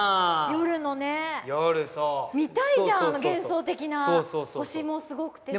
夜そう見たいじゃんあの幻想的な星もすごくてさ